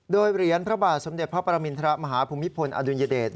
โดยเหรียญพระบาทสมเด็จพระปรมินทรมาฮภูมิพลอดุลยเดช